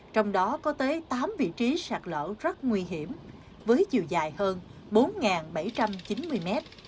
trong đó có tới tám vị trí sạt lở rất nguy hiểm với chiều dài hơn bốn bảy trăm chín mươi m